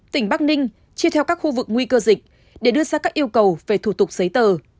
tỉnh bắc ninh chia theo các khu vực nguy cơ dịch để đưa ra các yêu cầu về thủ tục giấy tờ